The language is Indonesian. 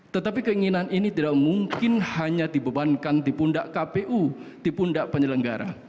tetapi keinginan ini tidak mungkin hanya dibebankan di pundak kpu di pundak penyelenggara